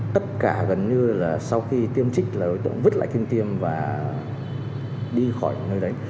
tất cả gần như là sau khi tiêm trích là đối tượng vứt lại kim tiêm và đi khỏi nơi đấy